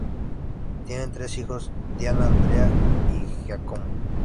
Tienen tres hijos, Diana, Andrea y Giacomo.